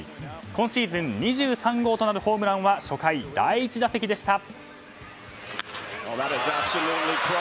今シーズン２３号となるホームランは初回第１打席でした。